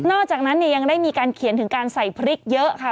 อกจากนั้นเนี่ยยังได้มีการเขียนถึงการใส่พริกเยอะค่ะ